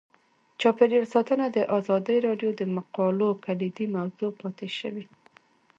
چاپیریال ساتنه د ازادي راډیو د مقالو کلیدي موضوع پاتې شوی.